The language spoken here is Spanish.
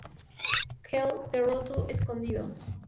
Cale, "The Road To Escondido".